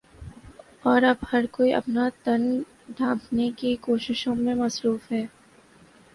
اور اب ہر کوئی اپنا تن ڈھانپٹنے کی کوششوں میں مصروف ہے